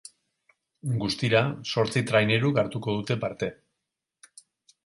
Guztira, zortzi traineruk hartuko dute parte.